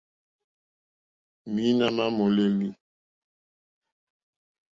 Mǐīnā má mòlêlì.